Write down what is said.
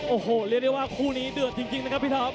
โอ้โหเรียกได้ว่าคู่นี้เดือดจริงนะครับพี่ท็อป